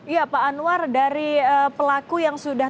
iya pak anwar dari pelaku yang sudah